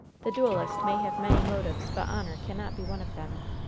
The duelist may have many motives, but "honor" cannot be one of them!